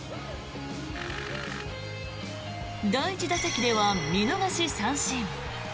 第１打席では見逃し三振。